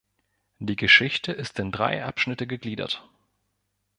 Die Geschichte ist in drei Abschnitte gegliedert.